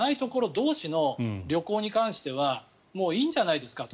同士の旅行に関してはもういいんじゃないですかと。